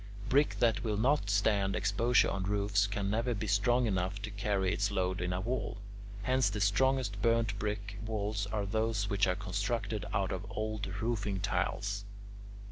Brick that will not stand exposure on roofs can never be strong enough to carry its load in a wall. Hence the strongest burnt brick walls are those which are constructed out of old roofing tiles.